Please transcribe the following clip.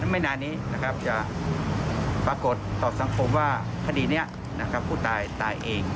ไม่นานนี้จะปรากฏต่อสังคมว่าคดีนี้ผู้ตายตายเอง